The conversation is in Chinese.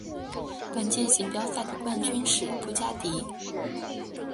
本届锦标赛的冠军是布加迪。